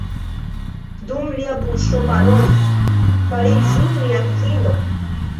Dum lia buŝo parolis: fariĝu mia edzino!